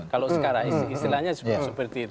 kalau sekarang istilahnya seperti itu